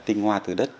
tinh hoa từ đất